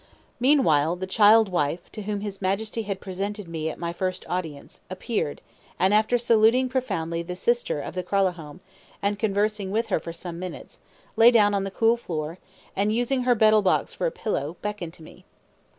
Meanwhile the "child wife," to whom his Majesty had presented me at my first audience, appeared, and after saluting profoundly the sister of the Kralahome, and conversing with her for some minutes, lay down on the cool floor, and, using her betel box for a pillow, beckoned to me.